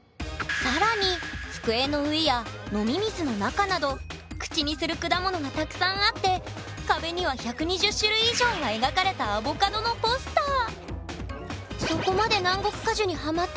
更に机の上や飲み水の中など口にする果物がたくさんあって壁には１２０種類以上が描かれたアボカドのポスター。